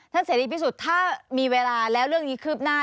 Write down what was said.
เสรีพิสุทธิ์ถ้ามีเวลาแล้วเรื่องนี้คืบหน้า